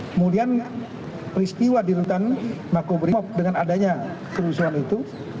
kemudian peristiwa di hutan maku grimok dengan adanya kerusuhan itu